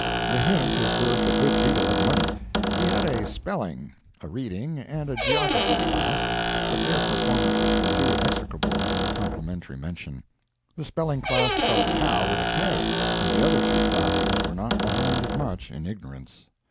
The hint is worth a good deal of money. We had a spelling, a reading and a geography class, but their performances were too execrable for complimentary mention. The spelling class spelt cow with a K, and the other two classes were not behind it much in ignorance.